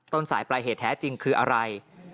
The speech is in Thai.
ต้นสายปลายเหตุแท้จริงคืออะไร